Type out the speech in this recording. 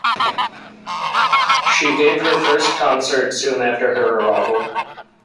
She gave her first concert soon after her arrival.